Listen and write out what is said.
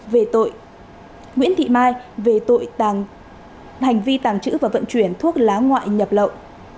về tội hành vi tàng trữ và vận chuyển thuốc lá ngoại nhập lậu